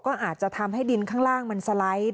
ก็อาจจะทำให้ดินข้างล่างมันสไลด์